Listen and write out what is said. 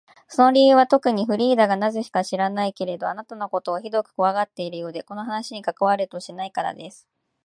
その理由はとくに、フリーダがなぜか知らないけれど、あなたのことをひどくこわがっているようで、この話に加わろうとしないからです。